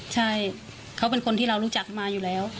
ใช่เขาเป็นคนที่เรารู้จักมาอยู่แล้ว